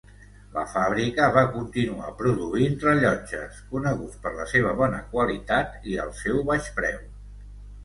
La fàbrica va continuar produint rellotges, coneguts per la seva bona qualitat i els seu baix preu.